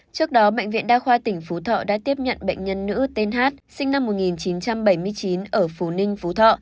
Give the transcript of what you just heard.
trước đó bệnh viện đa khoa tỉnh phú thọ đã tiếp nhận bệnh nhân nữ th sinh năm một nghìn chín trăm bảy mươi chín ở phú ninh phú thọ